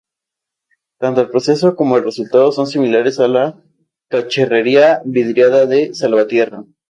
Tanto el proceso como el resultado son similares a la cacharrería vidriada de Salvatierra.